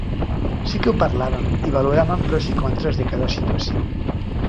Sí que ho parlàvem i valoràvem pros i contres de cada situació.